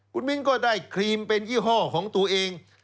คุณมิ้นก็ได้ครีมเป็นยี่ห้อของตัวเอง